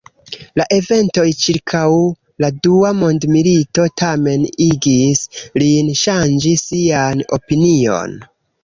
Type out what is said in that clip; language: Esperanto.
La eventoj ĉirkaŭ la dua mondmilito tamen igis lin ŝanĝi sian opinion.